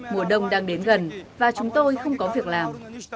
mùa đông đang đến gần và chúng tôi không có việc làm